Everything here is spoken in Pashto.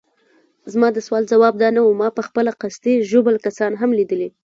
زما د سوال ځواب دا نه وو، ما پخپله قصدي ژوبل کسان هم لیدلي.